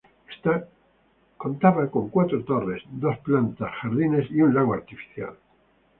Ésta contaba con cuatro torres, dos plantas, jardines y un lago artificial.